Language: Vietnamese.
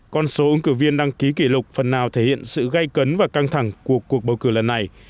con số ứng cử viên đăng ký kỷ lục phần nào thể hiện sự gây cấn và căng thẳng của cuộc bầu cử lần này